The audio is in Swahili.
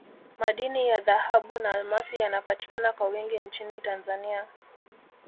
madini ya dhahabu na almasi yanapatikana kwa wingi nchini tanzania